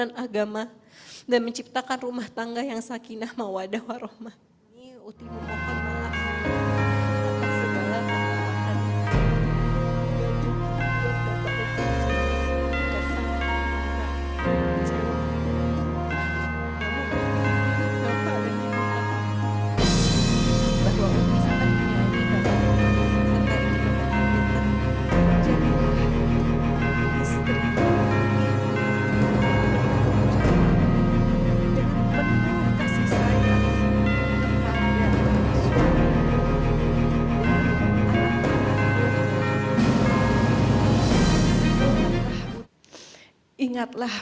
dan agama dan menciptakan rumah tangga yang sakinah mawadah warohmatul